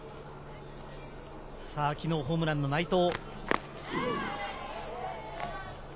昨日ホームランの内藤。